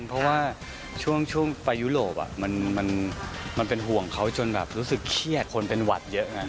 เพราะว่าช่วงไปยุโรปมันเป็นห่วงเขาจนแบบรู้สึกเครียดคนเป็นหวัดเยอะไง